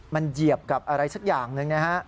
มันเหยียบกับอะไรสักอย่างหนึ่งนะฮะ